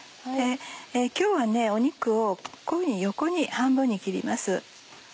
今日は肉をこういうふうに横に半分に切ります。